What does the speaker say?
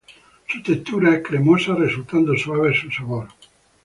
Su textura es cremosa, resultando suave su sabor.